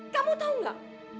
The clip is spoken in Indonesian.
kamu tau gak